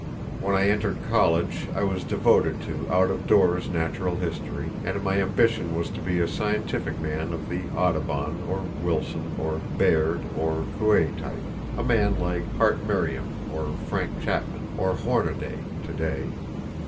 When I entered college, I was devoted to out of doors natural history, and my ambition was to be a scientific man of the Audubon, or Wilson, or Baird, or Coues type a man like Hart Merriam, or Frank Chapman, or Hornaday, to day.